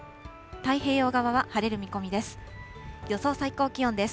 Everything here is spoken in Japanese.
太平洋側は晴れる見込みです。